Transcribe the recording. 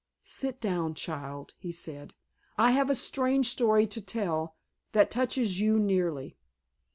"Sit down, child," he said, "I have a strange story to tell, that touches you nearly."